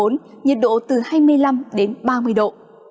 nhiệt độ từ hai mươi năm ba mươi độ